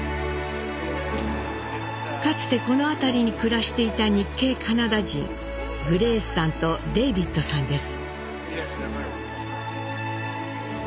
かつてこの辺りに暮らしていた日系カナダ人グレースさんとデイビッドさんです。